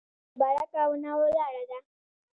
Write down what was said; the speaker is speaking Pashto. همدلته مبارکه ونه ولاړه ده.